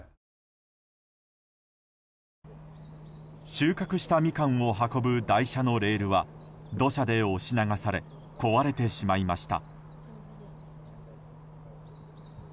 収穫したミカンを運ぶ台車のレールは土砂で押し流され壊れてしまいました。